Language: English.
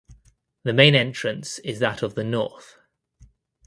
The main entrance is that of the north.